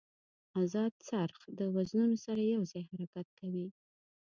ازاد څرخ د وزنونو سره یو ځای حرکت کوي.